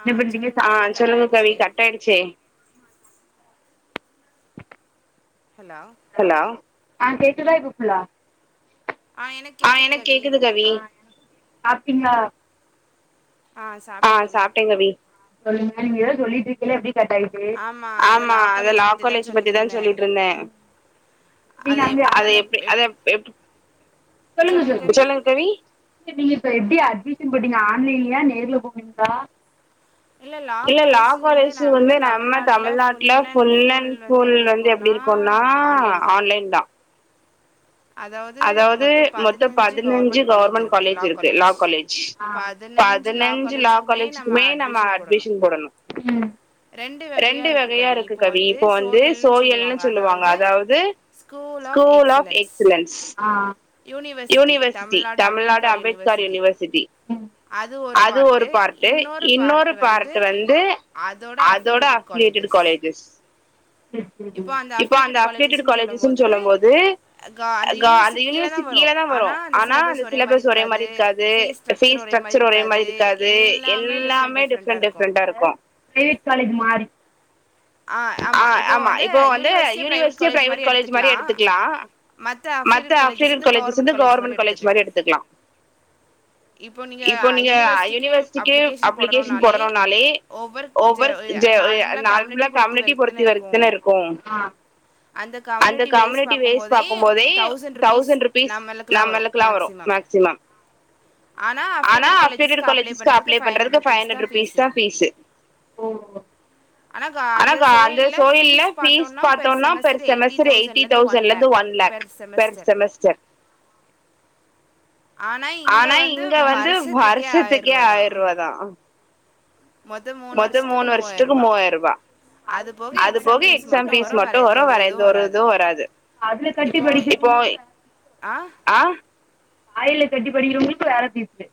என்ன பண்றீங்க ஆ சொல்லுங்க தோழி கட்டாய்டுச்சே ஹலோ ஆஹ் கேக்குதா இப்ப ஃபுல்லா ஆ எனக் கேக்குது கவி சாப்டிங்ளா ஆ சாப்டே கவி சொல்லுங்க நீங்க ஏதோ சொல்லி இருக்கைலே அப்டி கட் ஆயிடு தோழி ஆமா அதா லா காலேஜ் பத்திதா சொல்லிட்ருந்தே பீ காஞ்சா அத எப்டி அத எப் எப் சொல்லுங்க க சொல்லுங்க கவி நீங்க இப்ப எப்டி அட்மிஷன் போட்டீங்க ஆன்லைன்லயா நேர்ல போனீங்ளா இல்ல லா காலேஜி வந்து நம்ம தமிழ்நாட்ல ஃபுல் அண் ஃபுல் வந்து எப்டி இருக்கோ எப்டி இருக்கோனா ஆன்லைன் தா அதாவ்து மொத்தோ பதினஞ்சு கவர்மண்ட் காலேஜ் இருக்கு லா காலேஜ் ஆ தா பதினஞ்சு லா காலேஜிக்குமே நம்ம அட்மிஷன் போடணு ரெண்டு வகையா இருக்கு கவி இப்போ வந்து சோயல்னு சொல்லுவாங்க அதாவ்து ஸ்கூல் ஆஃப் எக்ஸலன்ஸ் ன்ஸ் ஆ யூனிவர்சிட்டி தமிழ்நாடு அம்பேத்கார் யூனிவர்சிட்டி அது ஒரு பார்ட்டு இன்னொரு பார்ட்டு வந்து அதோட அஃப்லியேட்டடு காலேஜஸ் ம் இப்ப அந்த அஃப்லேட்டடு காலேஜஸ்னு சொல்லம் போது அந்த யூனிவர்சிக் கீழதா வரும் ஆனா அந்த சிலபஸ் ஒரே மாறி இருக்காது ஃபீஸ் ஸ்டக்சர் ஒரே மாறி இருக் ஒரே மாறி இருக்காது எல்லாமே டிஃப்ரண்ட் டிஃப்ரண்டா இருக்கும் ப்ரைவெட் காலேஜ் மாறி ஆ ஆமா இப்போ வந்து யூனிவர்சிட்டியே ப்ரைவெட் காலேஜ் மாறி எடுத்துக்கலா மத்த அஃப்லேட்டட் காலேஜஸ் வந்து கவர்மண்ட் காலேஜ் மாறி எடுத்துக்கலா இப்போ நீங்க யூனிவர்சிட்டிகே அப்ளிகேஷன் போடனூனாலே ஓவர் ஜ ஏ நார்ம்லா கம்லீட் கம்னிட்டி பொருத்திவர்னு தானா இருக்கும் அந்த கம்னுட்டி வேஸ் பாக்கும் போதே தௌசண்ட் ருபீஸ் நம்மளுக்கல்லா வரும் மேக்சிமம் துலா ஆனா அஃப்லேட்டட் காலேஜஸ்க்கு அப்ளே பண்றதுக்கு ஃபைவ் ஹண்ட்ரடு ருபீஸ்தா ஃபீஸு அனா க ஆனாகா அந்த சோயல்ல ஃபீஸ் பாத்தோனா பெர் செமஸ்டர் எய்ட்டி தௌசண்ட்ல இந்து ஒன் லேக் பெர் செமஸ்டர் ஆனா இங்க வந்து வருஷத்துக்கே ஆயிரூவாதா மொத்தோ மூணு வருஷத்துக்கு மூவாயிரூபா அது போக எக்ஸாம் பீஸ் மட்டு வரு வேற எந்த ஒரு இது வராது போய் அ [unintelligible] கட்டி படிக்கிறவங்களுக்கும் வேற பீஸ்சு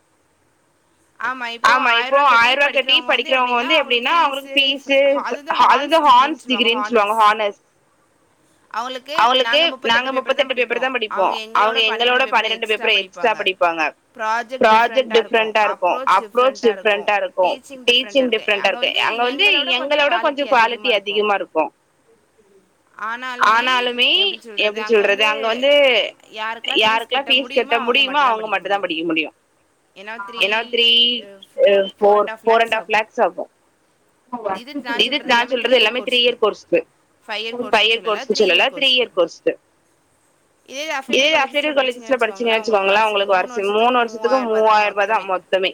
ஆமா இப்போ ஆயிரூவா கட்டி படிக்கிறவங்க வந்து எப்டின்னா அவங்களுக்கு பீஸ்சு அதுதா ஹான்ஸ் டிகிரின் சொல்லுவாங்க ஹானஸ் அவங்களுக்கு நாங்க முப்பெத்தெட்டு பேப்பர் தா படிப்போ அவங்க எங்களோ விட பன்னிரெண்டு பேப்பர் எக்ஸ்ட்ரா படிப்பாங்க பாங்க ப்ராஜெக்ட் டிஃப்ரெண்டா இருக்கு அப் ப்ரோச் டிஃப்ரெண்டா இருக்கு டீச்சிங் டிப்ரெண்டா இருக்கு அங்க வந்து எங்கள விட கொஞ்சோ க்வாலிட்டி அதிகமா இருக்கு ஆனாலுமே எப்டி சொல்றது அங்க வந்து யாருக்குலா ஃபீஸ் கட்ட முடியுமோ அவங்க மட்டு தா படிக்க முடியு ஏன்னா த்ரீ அ four four and half lakhs ஆகு இது நா சொல்றது எல்லாமே three year course five year கோர்ஸ்க்கு சொல்லல த்ரீ இயர் கோர்ஸ்சு இதேது அப்பிரியர் காலேஜஸ்ல படிச்சீங்கன் வெச்சுக்கோங்களே உங்ளுக்கு வருசோ மூணு வருஷத்துக்கு மூவாயிரூபா தா மொத்தமே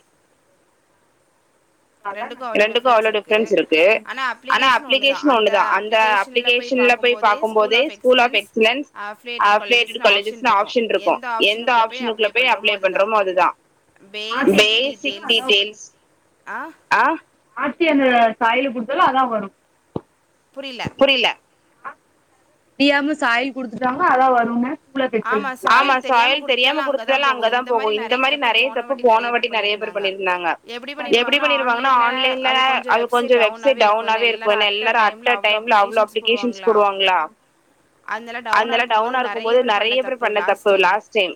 ரெண்டுக்கு அவ்ளோ டிப்ரன்ஸ் இருக்கு ஆனா அப்ளிகேஷன் ஒண்ணு தா அந்த அப்ளிகேஷன் உள்ள போய் பாக்கும் போதே ஸ்கூல் ஆஃப் எக்ஸலன்ஸ் அப்ளியேட்டட் காலேஜஸ்னு ஆப்ஷன்ஸ் இருக்கு எந்த ஆப்ஷனுக்குள்ள போய் அப்ளே பண்றமோ அதுதா ஃபேசிக் டீடைல் [unintelligible] காயில குடுத்தாலு அதா வரு புரில தெரியாம சாயில் குடுத்துட்டாங்க அதா வருங்க ஆமா சாயல் தெரியாம குடுத்துட்டாலு அங்கதா போகு இந்த மாரி நெறைய தப்பு போன வாட்டி நெறைய பேர் இது பண்ணிருந்தாங்க எப் எப்டி பண்ணிருவாங்கனா ஆன்லைன்ல அது கொஞ்சோ வெப்சைட் டவ்ன்னாவே இருக்கு ஏனா எல்லாரு அட்ட டைம்ல அவ்ளோ அப்ளி கேசன்ஸ் போடுவாங்ளா அதனால டவ்னா இருக்கு போது நம் நெறைய பேர் பண்ண தப்பு லாஸ்ட் டைம்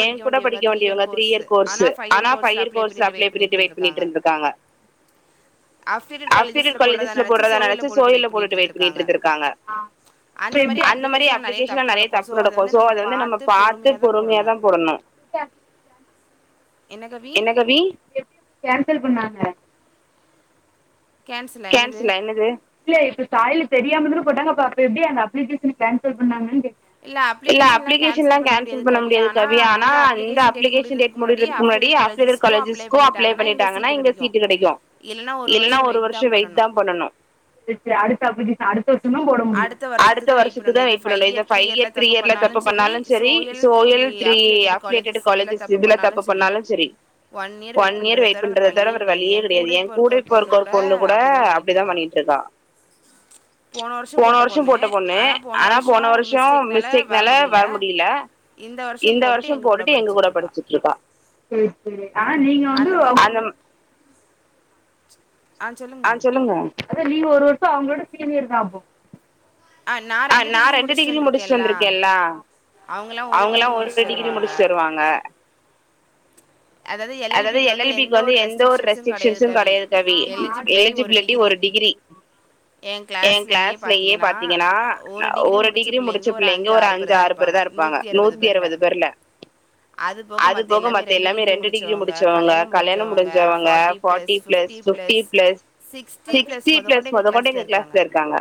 ஏ கூட படிக்க வேண்டியவங்க த்ரீ இயர் கோர்சு ஆனா ஃபை இயர் கோர்சு சுல அப்ளே பண்ணிட்டு வேயிடா பண்ணிட்டு இருந்திருக்காங்க அப்பிரல் காலேஜ்ஸ்ல போட்றதா நெனச்சிட்டு சோயல்ல போட்டுட்டு வெட் பண்ணிட்டு இருந்துருக்காங்க சோ எப்டி அந்த மாரி அப்ளிகேஷன்லா நெறைய தப்பு நடக்கு சோ நம்ம பாத்து பொறுமையா தா போடணு என்ன கவி எப்டி எப்டி கேன்சல் பண்ணாங்க கேன்சலா என்னது இல்ல இப்ப சாயல்ல தெரியாம தான போட்டாங்க அப்ப எப்டி அந்த அப்ளிகேஷன கேன்சல் பண்ணாங்க கேக் இல்ல அப்லிகேஷன்லா கேன்சல் பண்ண முடியாது கவி ஆனா அந்த அப்லிகேஷன் டேட் முடிறதுக்கு முன்னாடி படி அப்பிரியர் காலேஜ்ஸ்கு அப்ளே பண்ணிட்டாங்கனா இங்க சீட் கெடைக்கு இல்லன்னா ஒரு வருஷோ வெய்ட் தா பண்ணணு திருப்பி அடுத் அடுத்த அப்ளிகேஷன் அடுத்த தா போட முடியு அடுத்த வருஷத்து தா வைட் பண்ணணு இந்த ஃபைவ் இயர் த்ரீ இயர்ல தப்பு பண்ணாலு செரி சோயல் த்ரீ அப்ளியேட்டட் காலேஜஸ் இதுலா தப்பு பண்ணாலு செரி ஒன் இயர் வெயிட் வெயிட் பண்றது தவிற வேற வழியே கெடையாது ஏ கூட இப்போ இருக்க ஒரு பொண்ணு கூட அப்டிதா பண்ணிட்டு இருக்க போன வரு போன வருஷோ போட்ட பொண்ணு ஆனா போன வருஷோ மிஸ்டேக்னால வர முடில இந்த வருஷோ போட்டுட்டு எங்க கூட படிச்சிட்டுருக்கா ஆனா நீங்க [unintelligible] அதா நீ ஒரு வருஷோ அவுங்களோட சீனியர் தா அப்போ அ நா ரெண்டு டிகிரி முடிச்சிட்டு வந்திருக்கேன்ல. அவுங்கெல்லா ஒரு டிகிரி முடிச்சிட்டு வருவாங்க. அதாவது, எல் எல் பி க்கு வந்து எந்த ஒரு ரெஸ்ட்ரிக்ஷன்ஸும் கெடையாது கவி, எலிஜி எலிஜிபிலிட்டி ஒரு டிகிரி எயா கிளாஸ்லயே பாத்தீங்கன்னா, ஒரு டிகிரி முடிச்ச பிள்ளைங்க, ஒரு அஞ்சு ஆறு பேரு தா இருப்பாங்க நூத்தி அறுவது பேர்ல அது போக, மத்த எல்லாமே ரெண் எல்லாமே ரெண்டு டிகிரி முடிச்சவங்க, கல்யாணம் முஞ்சவங்க, forty plus, fifty plus, sixty plus மொத கொண்டு எங்க கிளாஸ்ல இருக்காங்க.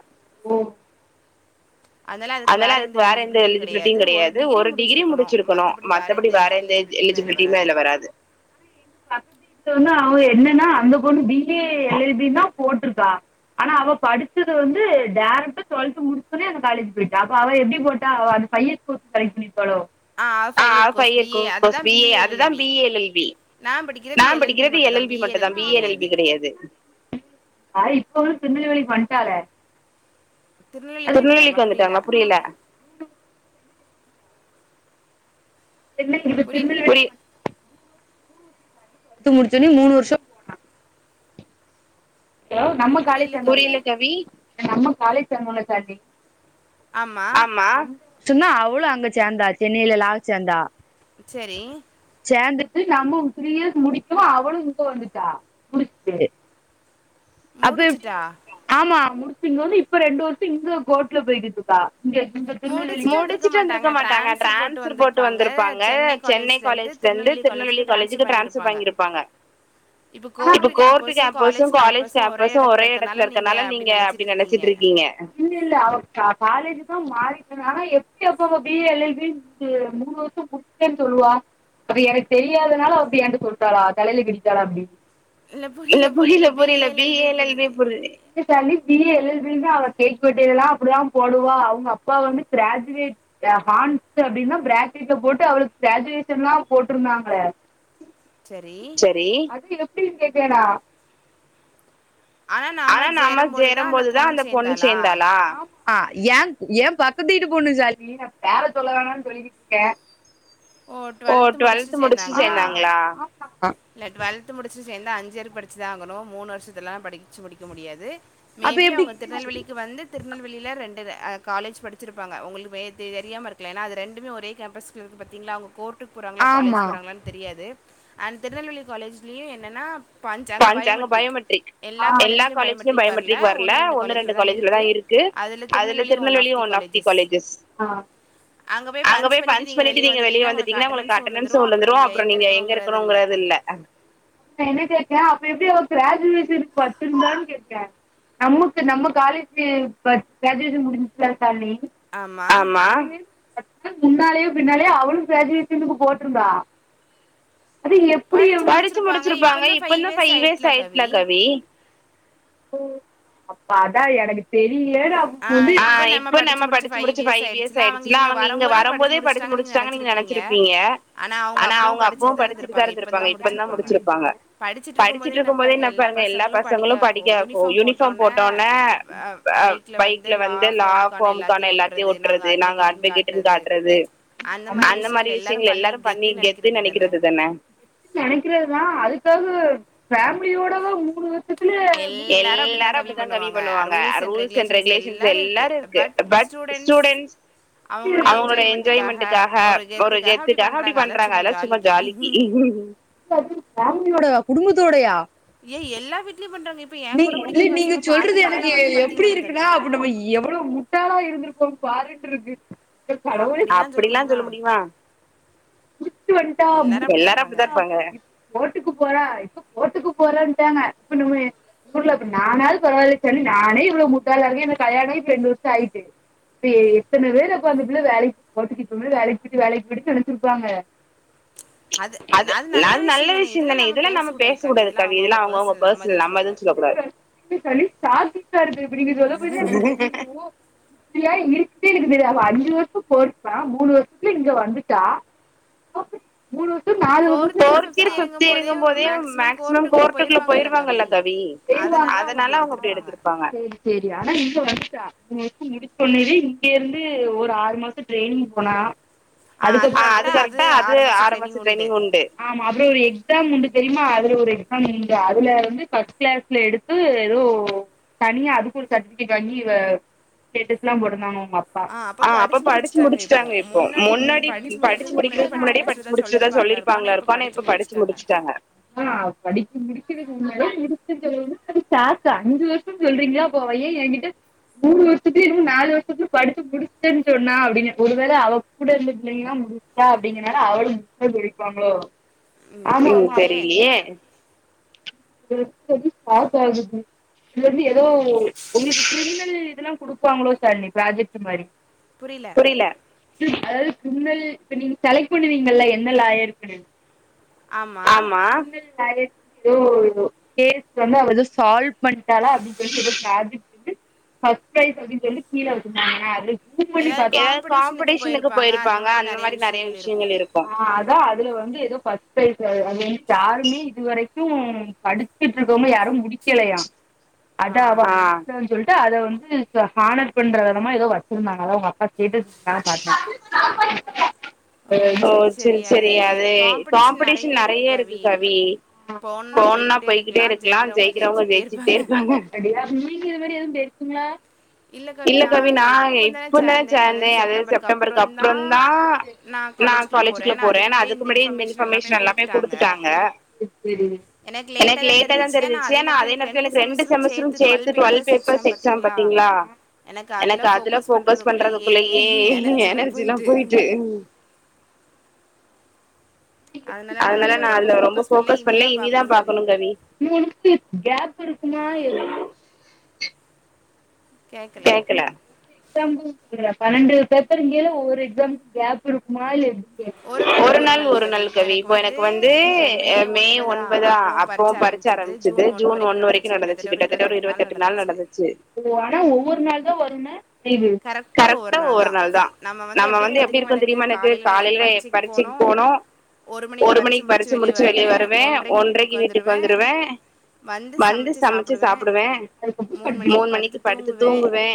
அதனால அதுக்கு வேற எந்த எலிஜிபிலிட்டியு கெடையாது, ஒரு டிகிரி முடிச்சிருக்கணு மத்தபடி வேற எந்த எலிஜி எலிஜிபிலிட்டியுமே அதுல வராது. அவ என்னன்னா அந்த பொண்ணு, B A L L B ன்தா போட்டிருக்கா. ஆனா அவ படிச்சது வந்து, டேரக்டா டுவெல்த் முடிச்சவுமே அந்த காலேஜ் போயிட்டா, அப்ப அவ எப்டி போட்டா? அவே பையே ஸ்கூலுக் ட்ரை பண்ணி ஆ five year course B A அதுதா B A L L B நா படிக்கறது எல் எல் பி மட்டும் தா, B A L L B கெடையாது. ஆ ய் எப்பவோ திருநெல்வேலிக்கு வன்டாலே அந்த [unintelligible] வந்துட்டாங்களா, புரியல என்ன இது திருநெல்வேலி வன்டாலா டுவெல்த் முடிச்சொன்னே, மூணு வருஷோ போனா. ஹலோ நம்ம காலேஜ் சேந்த, நம்ம காலேஜ் சேந்தவங்க ஷாலினி ஆமா சொன்னா அவளு அங்க சேந்தா, சென்னையில லா சேந்தா சேரி சேந்துட்டு நம்ம த்ரீ இயர்ஸ் முடிக்கவு அவளு இங்க வந்துட்டா முடிச்சிட்டு அப்ப எப்படி ஆமா முடிச்சி இங்க வந்து, இப்ப ரெண்டு வருஷோ இங்க கோர்ட்ல போயிட்டு இருக்கா. முடிச்சிட்டு வந்திருக்க மாட்டாங்க, டிரான்ஸவர் போட்டு வந்திருப்பாங்க சென்னை காலேஜ் ல இருந்து திருநெல்வேலி காலேஜுக்கு டிரான்ஸ்பர் வாங்கியிருப்பாங்க. இப்போ கோர்ட்டு கேம்பஸும், காலேஜ் கேம்பஸ் கேம்பஸும் ஒரே எடத்துல இருக்கனால, நீங்க அப்டி நெனைச்சிட்டு இருக்கீங்க. இப்போ மாறிட்டா ஆனா எப்டி அப்போ B A L L B இது மூணு வருஷோ முடிச்சேன்னு சொல்லுவா? அப்ப எனக்கு தெரியாதனால அப்டி ஏன்ட்டா சொல்டாளா? தலையில கெட்டிடாலா அப்டி இல்ல புரியில, புரியல B A L B A L L B புரில அப்டியிருந்து அவ கேக்வெட்டயிலல்லா அப்படிதா போடுவா, அவங்க அப்பா வந்து கிராஜுவேட் ஹால்ஸ் அப்டின்னு பிராக்கெட்ல போட்டு, அவளுக்கு கிராஜுவேஷன்லாம் போட்டுருந்தாங்கலே, செரி ஆனா நம்ம சேரம் போதுதா, அந்த பொண்ணு சேந்தாளா? அ ஏயா ஏன் பக்கத்துட்டு பொண்ணு ஷாலினி பேற சொல்ல வேணாம்னு சொல்லிக்கிட்டிருக்கே. ஓ டுவெல்த் முடிச்சிட்டு சேந்தாங்களா? இல்ல டுவெல்த் முடிச்சிட்டு சேந்தா அஞ்சு இயர் படிச்சுதா ஆகணு, மூணு வருஷத்துலல்லா படிச்சி முடிக்க முடியாது. மேபி அவுங்க திருநெல்வேலிக்கு வந்து, திருநெல்வேலியில ரெண் அ இது அ காலேஜ் படிச்சிருப்பாங்க, உங்களுக்கு வே தெரியாம இருக்கலா, என்னா அது ரெண்டுமே ஒரே கேம்பஸ்ல இருக்கு பாத்தீங்களா அவுங்க கோர் கோர்ட்கு போறாங்களா, காலேஜ் போறாங்களான்னு தெரியாது, அண்ட் திருநெல்வேலி காலேஜ்லயே என்னன்னா பண் ஜாங்க பயோமெட்ரிக் எல்லா காலேஜ்லயு பயோமெட்ரிக் வர்ல ஒண்ணு, ரெண்டு காலேஜ்லதா இருக்கு. கு அதுல திருநெல்வேலியு ஒன் ஆப் தி காலேஜஸ். அங்க போய் பன்ச் பண்ணிட்டு நீங்க வெளியே வந்துட்டீங்கன்னா, உங்களுக்கு அட்டன்ஸும் விழுந்துரும் அப்புறோ நீங்க எங்க இருக்கணுங்கறது இல்ல. நா என்ன கேட்டே அப்ப எப்டி அவ கிராஜுவேஷனுக்கு படிச்சிருந்தான்னு கேட்டே நம்முக்கு நம்ம காலேஜி பட் கிராஜுவேஷன் முடிஞ்சிட்சில ஆமா முன்னாலேயோ பின்னாலயோ அவளும் சேஜ பின்னுக்கு போட்ருந்தா அது எப்டி படுச்சு முடுச்சிருப்பாங்க இப்ப தா பைஃவ் இயர்ஸ் ஆயிட்ல கவி அப்ப அதா எனக்கு தெரிய ஆ இப்ப நம்ம படுச்சுமுடுச்சு பைஃவ் இயர்ஸ் ஆய்ச்சு இல்ல அவங்க இங்க வரும்போதே படுச்சு முடுச்சுடாங்ன்னு நீங்க நெனச்சிருபீங்க ஆனா அவுங்க அப்பவு படுச்சுட்டுதா இருந்திருப்பாங்க இப்ப தா முடுச்சிருபாங்க படுச்சுட்டு இருக்கும் போத என்ன பாருங்க எல்லா பசங்களு படிக்காக்கு யூனிஃபார்ம் போட்டோனெ அப் பைக்ல வந்து லாமு க்கான எல்லாத்தையு ஒட்டுறது நாங்க அட்வகேட்டுன்னு காட்றது அந்த மாரி விஷ்யங்கள எல்லாரு பண்ணி கெத்து நெனைக்கிறது தானே அதாவ்து ஃபேமிலியோட தா மூணு எல்லாரு அப்டிதா கவி பண்ணுவாங்க ரூல்ஸ் அண்ட் ரெகுலேஷன்ஸ் எல்லாரு இருக்கு பட் ஸ்டூடெண்ஸ் அ அவுங்ளோட என்ஜாய்மெண்ட்டுகாக ஒரு கெத்துகாக அப்டி பண்றாங்க அதெல்லா சும்மா ஜாலிக்கு ஃபேமிலியோடயா குடும்பத்தோடயா ஏ எல்லா வீட் நீங் இல்ல நீங்க சொல்றது எனக்கு எப்டி இருக்குன்னா அப்டி நம்ம எவ்வளவு முட்டாளா இருந்திருக்கோ பாருட்டு இருக்கு கடவுள் அப்படிலாம் சொல்ல முடியு எல்லாரு அப்டிதா இருப்பாங்க போட்டுக்கு போறா இப்ப போட்டுக்கு போறான்ட்டாங்க இப்ப நம்ம ஊர்ல இப்ப நானாலு பரவாயில்ல சொன்னே நானே இவ்ளவு முட்டால இருக்கேன்ன கல்யாணாகி இப்ப ரெண்டு வர்ஷோ ஆயிட்டு அப்ப எத்தன பேர அப்ப அந்த புள்ள வேலைக்கு போட்டுக்கிட்டோ வேலைக்கு போயிட்டு வேலைக்கு போயிட்டு நெனச்சிருபாங்க [inaudible] அது அது நல்ல விஷ்யந்தானே இதெல்லா நம்ம பேசகூடாது கவி இதெல்லா அவங்கவுங்க பர்சனல் நம்ம எதும் சொல்ல கூடாது [unintelligible] ஷாக்கிங்கா இருக்கு இப்ப நீங்க சொல்ல போன [unintelligible] எனக்கு தெரிய அஞ்சு வர்ஷோ போட்டுக்கான் மூணு வர்ஷத்துல இங்க வந்துட்டா அப்ப இவ்ளோத் கார்ருக்கு போறதுக்கே பிஃப்த் இயர் இருங்கும்பதே மேக்சிமம் கோர்டுக்குள்ள போயிருவாங்க அதுனால அவுங்க அப்டி எடுத்திருப்பாங்க முடிச்சண்ணது இங்க இருந்து ஒரு ஆறு மாசோ ட்ரெயினிங் போனா அது ஆறு மாசோ ட்ரைனிங் உண்டு எக்ஸாம் உண்டு தெரியுமா அது ஒரு எக்ஸாம் உண்டு அதுல வந்து கிளாஸ்ல எடுத்து எதோ தனியா அதுக்கு ஒரு சர்ட்டிபிகேட் வாங்கி வ வ ஸ்டேட்டஸ்ல்வா போடந்தாங்கு அப்பா அப்ப படுச்சு முடுச்சுட்டாங்க இப்போ முன்னாடி படுச்சு முடிக்கிறதுக்கு முன்னாடியே படுச்சு முடுச்சத சொல்லிருப்பாங்களா இருக்க ஆனா இப்ப படுச்சு முடிச்சுட்டாங்க அச்சச்சோ சாசா அஞ்சு வர்ஷோ சொல்றீங்களா அப்போஐயெ ஏங்கிட்ட மூணு வர்ஷத்துலயே இன்னு நாலு வர்ஷத்துல படுத்து முடிச்சுேன்னு சொன்னா அப்டின்னு ஒரு வேள அவ கூட இருந்துது இலைங்ளா யா அப்டிங்கறனால அவள மு [unintelligible] ம் தெரியிலியே ம் [unintelligible] சாப்ப [unintelligible] இது இருந்து எதோ உங்களுக்கு கிரிமினல் இதெல்லா கொடுப்பாங்களோ சார் நீ ப்ராஜெக்ட்டு மாரி புரியில அதாவது கிரிமினல் இப்ப நீங்க செலக்ட் பண்ணுவீங்கல்ல என்ன லாயர் இருக்குனு ஆமா கேஸ் வந்து அவ எதோ சால்வ் பண்ட்டாளா அப்டின்னு சொல்லி எதொ ப்ராஜட்டு ஃபர்ஸ்ரைஸ் அப்டின் சொல்லி கீழ விட்டுடாங்க அது ஏ காம்படேஷனுக்கு போயிருப்பாங்க அந்த மாரி நெறைய விஷ்யங்கள் இருக்கு அதுல வந்து எதோ ஃபஸ்ட் ப்ரைஸ் அது வந்து யாருமே இது வரைக்கும் படுச்சுட்ருக்கவுங்க யாரும் முடிக்கலயா அதாவ அ அத வந்து த ஹானர் பண்ற விதமா எதோ வச்சிருந்தாங்க அதா உங்க அப்பா கேட்டுட்ருந்தாங் பாத்தே [inaudible] ஓஹோ செரி செரி அது காம்படிஷன் நெறைய இருக்கு கவி ஒன்னா போய்க்கிட்டே இருக்கலா ஜெயிக்கிறவங்க ஜெயிச்சுக்ட்டே இருப்பாங்க. இல்ல கவி நா இப்பந்தா சேந்தே அது செப்டம்பருக்கு அப்புறந்தா நா காலேஜ்க்குள்ள போற ஆனா அதுக்கு முன்னாடியே இந்த இன்பர்மேஷன் எல்லாமே குடுத்துட்டாங்க. எனக்கு லேட்டாதா தெரிஞ்சுச்சு ஆனா அதே நேரத்துல எனக்கு ரெண்டு செமஸ்டரும் சேத்து டுவெல் பேப்பர்ஸ் எக்ஸாம் பாத்தீங்ளா ஆ எனக்கு அதுல ஃபோக்கஸ் பண்றதுக்குள்ளயே எனர்ஜில்லா போயிட்டு ம் அதனால நா அதுல ரொம்ப ஃபோக்கஸ் பண்ண இனிதா பாக்கணும் கவி க்குமா [inaudible] கேக்கல எக்ஸாம்க்கு [inaudible] பன்னெண்டு பேப்பரு இங்கைலா ஒவ்வொரு எக்ஸாம்கு கேப் இருக்குமா இல்ல எப் ஒரு நாள் ஒரு நாள் கவி இப்போ எனக்கு வந்து அ மே ஒன்பதா அப்பவு பரிட்ச ஆரம் பரிட்ச ஆரம்பிச்சது ஜுன் ஒன்னு வரைக்கு நடந்துச்சு கிட்டத்தட்ட இருவத்தெட்டு நாள் நடந்துச்சு ஓ ஆனா ஒவ் ஒரு நாள்தா வருன்ன தீவு கரெக்டா ஒரு நாள்தா நம்ம வந்து எப்டி இருக்கு தெரியுமா எனக்கு காலையில எ பரிச்சைக் போனோ ஒரு மணிக்கு பரிச்ச முடிச்சு வெளியே வருவே ஒன்றைக்கு வீட்டுக்கு வந்துருவே வந்து சமச்சு சாப்புடுவே மூணு மணிக்கு படுத்து தூங்குவே